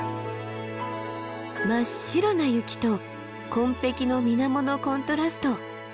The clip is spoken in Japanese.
真っ白な雪と紺碧の水面のコントラスト。